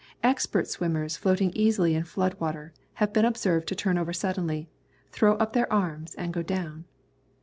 Expert swimmers floating easily in flood water have been observed to turn over suddenly, throw up their arms, and go down.